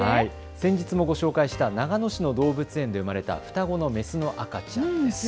先日もご紹介した長野市の動物園で生まれた双子の雌の赤ちゃんです。